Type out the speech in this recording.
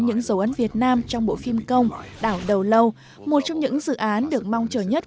những dấu ấn việt nam trong bộ phim công đảo đầu lâu một trong những dự án được mong chờ nhất